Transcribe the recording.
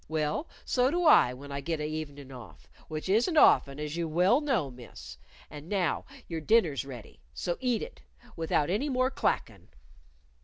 Well, so do I when I get a' evenin' off, which isn't often, as you well know, Miss. And now your dinner's ready. So eat it, without any more clackin'."